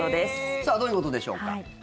さあどういうことでしょうか？